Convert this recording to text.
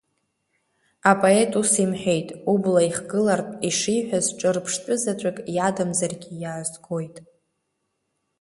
Апоет ус имҳәеит, убла ихгылартә ишиҳәаз ҿырԥштәы заҵәык иадамзаргьы иаазгоит…